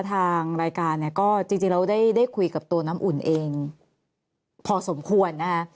ทางรายการเนี่ยก็จริงเราได้คุยกับตัวน้ำอุ่นเองพอสมควรนะคะ